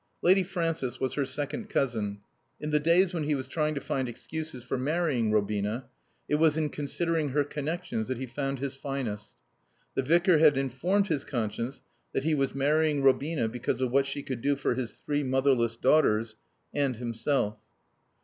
Lady Frances was her second cousin. In the days when he was trying to find excuses for marrying Robina, it was in considering her connections that he found his finest. The Vicar had informed his conscience that he was marrying Robina because of what she could do for his three motherless daughters and himself.